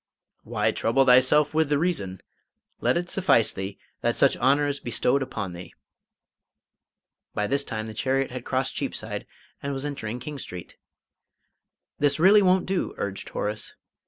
"Why trouble thyself with the reason? Let it suffice thee that such honour is bestowed upon thee." By this time the chariot had crossed Cheapside and was entering King Street. "This really won't do!" urged Horace.